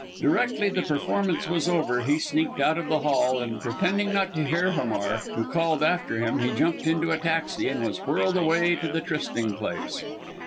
Directly the performance was over he sneaked out of the Hall, and pretending not to hear Hamar, who called after him, he jumped into a taxi, and was whirled away to the trysting place.